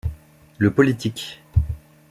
Le politique.